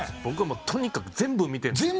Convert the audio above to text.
僕とにかく全部見てる。